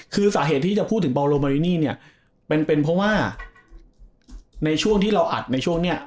คือสาเหตุที่จะพูดถึงบอลโลมารินีเนี่ยเป็นเป็นเพราะว่าในช่วงที่เราอัดในช่วงนี้